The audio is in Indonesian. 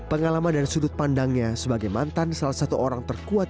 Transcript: pengalaman dan sudut pandangnya sebagai mantan salah satu orang terkuat